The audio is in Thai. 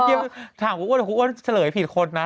เกี๊ยวถามครูอ้วนครูอ้วนเฉลยผิดคนนะ